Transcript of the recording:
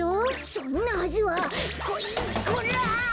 そんなはずはこい！